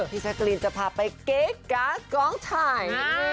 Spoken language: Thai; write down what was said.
พี่แชล์การินจะพาไปเกละตัวทางทาย